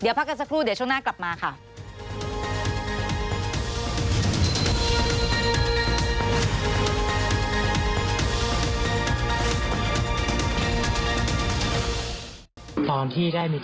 พักกันสักครู่เดี๋ยวช่วงหน้ากลับมาค่ะ